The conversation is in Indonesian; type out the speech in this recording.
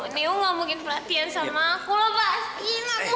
neo gak mungkin perhatiin sama aku loh pasti